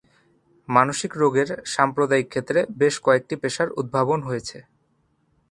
মানসিক রোগের সাম্প্রদায়িক ক্ষেত্রে বেশ কয়েকটি পেশার উদ্ভাবন হয়েছে।